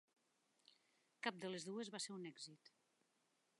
Cap de les dues va ser un èxit.